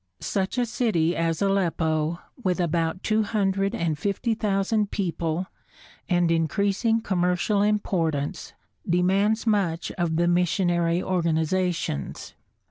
Such a city as Aleppo, with about two hundred and fifty thousand people and increasing commercial importance, demands much of the missionary organizations.